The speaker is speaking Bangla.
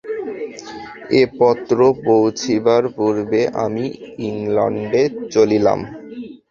এ পত্র পৌঁছিবার পূর্বে আমি ইংলণ্ডে চলিলাম।